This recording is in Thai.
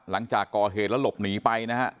หลังจากก่อเหตุแล้วหลบหนีไปนะฮะ